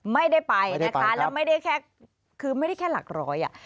ไม่ได้ไปนะคะแล้วไม่ได้แค่คือไม่ได้แค่หลักร้อยอ่ะ